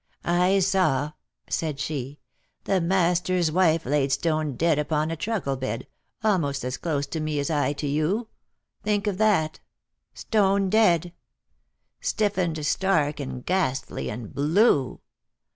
"I saw," said she, "the master's wife laid stone dead upon a truckle bed, amost as close to me as I to you — think of that ! Stone dead ! Stiffened, stark, and ghastly, and blue